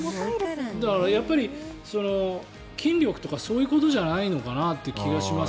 だから筋力とかそういうことじゃないのかなという気がします。